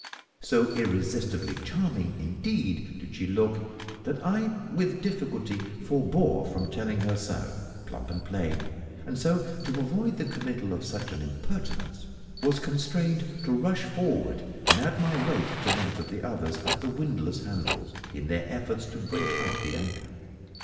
So irresistibly charming, indeed, did she look, that I with difficulty forebore from telling her so, plump and plain; and so, to avoid the committal of such an impertinence, was constrained to rush for'ard and add my weight to that of the others at the windlass handles in their efforts to break out the anchor.